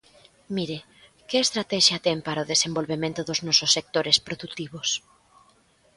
Mire, ¿que estratexia ten para o desenvolvemento dos nosos sectores produtivos?